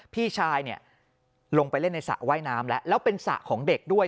พี่ชายเนี่ยลงไปเล่นในสระว่ายน้ำแล้วแล้วเป็นสระของเด็กด้วย